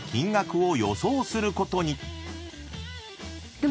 でも。